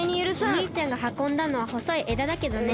おにいちゃんがはこんだのはほそいえだだけどね。